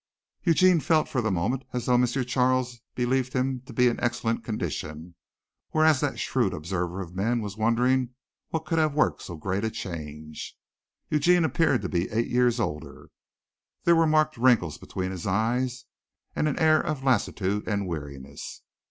Eugene felt for the moment as though M. Charles believed him to be in excellent condition, whereas that shrewd observer of men was wondering what could have worked so great a change. Eugene appeared to be eight years older. There were marked wrinkles between his eyes and an air of lassitude and weariness.